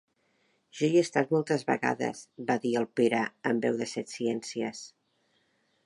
Jo hi he estat moltes vegades —va dir el Pere, amb veu de setciències—.